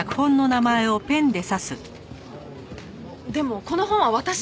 でもこの本は私が。